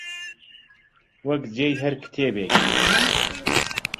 وەک جێی هەر کتێبێکی